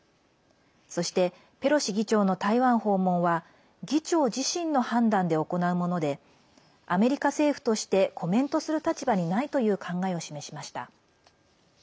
そして、ペロシ議長の台湾訪問は議長自身の判断で行うものでアメリカ政府としてコメントする立場にないという考えを示しました。